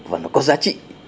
và nó có giá trị